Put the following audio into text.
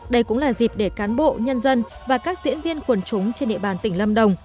đây cũng là dịp để cán bộ nhân dân và các diễn viên quần chúng trên địa bàn tỉnh lâm đồng